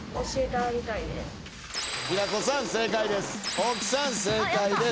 大木さん正解です。